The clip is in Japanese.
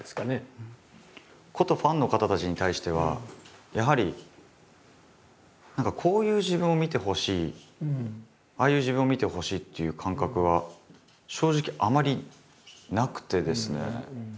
ことファンの方たちに対してはやはり何かこういう自分を見てほしいああいう自分を見てほしいっていう感覚は正直あまりなくてですね。